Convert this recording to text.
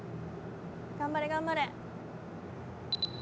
頑張れ頑張れ！